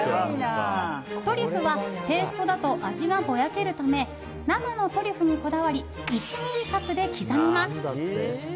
トリュフはペーストだと味がぼやけるため生のトリュフにこだわり１ｍｍ角で刻みます。